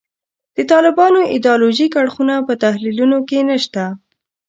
د طالبانو ایدیالوژیک اړخونه په تحلیلونو کې نشته.